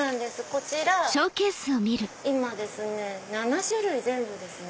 こちら今７種類全部ですね